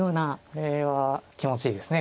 これは気持ちいいですね。